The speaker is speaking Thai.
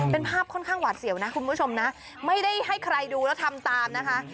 เป็นภาพค่อนข้างหวาดเสียวนะคุณผู้ชมนะไม่ได้ให้ใครดูแล้วทำตามนะคะ